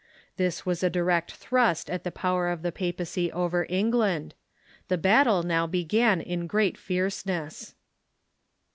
This was a direct thrust at the power of the papacy over England. The battle now began in great fierceness.